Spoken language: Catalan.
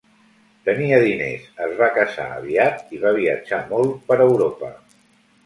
Tenia diners, es va casar aviat i va viatjar molt per Europa.